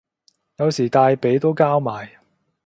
有時大髀都交埋